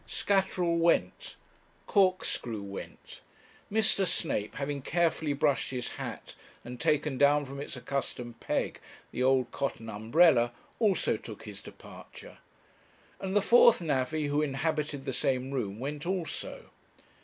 Scatterall went. Corkscrew went. Mr. Snape, having carefully brushed his hat and taken down from its accustomed peg the old cotton umbrella, also took his departure; and the fourth navvy, who inhabited the same room, went also.